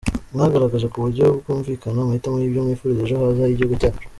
Mwagaragaje ku buryo bwumvikana amahitamo y’ibyo mwifuriza ejo haza h’Igihugu cyacu.